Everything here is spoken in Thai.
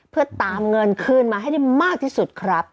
เพื่อตามเงินคืนมาให้ได้มากที่สุดครับ